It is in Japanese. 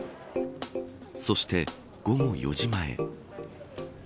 そして、午後４時前。